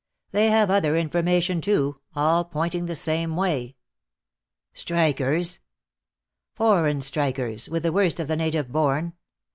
They have other information, too, all pointing the same way." "Strikers?" "Foreign strikers, with the worst of the native born.